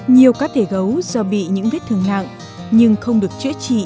nhiều cá thể gấu do bị những vết thương nặng nhưng không được chữa trị